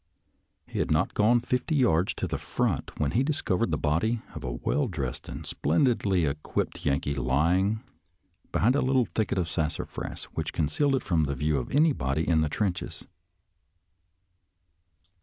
He had not gone fifty yards to the front when he discovered the body of a well dressed and splendidly equipped Yankee lying behind a little thicket of sassafras which con cealed it from the view of anybody in the trenches.